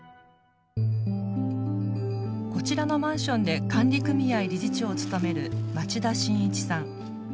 こちらのマンションで管理組合理事長を務める町田信一さん。